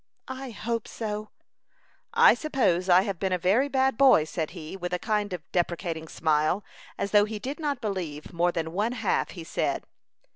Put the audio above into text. "I hope so." "I suppose I have been a very bad boy," said he, with a kind of deprecating smile, as though he did not believe more than one half he said.